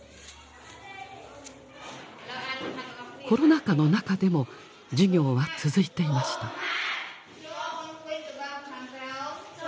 コロナ禍の中でも授業は続いていました。